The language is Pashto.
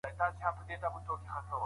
د خپل ذهن په کار پوه سئ.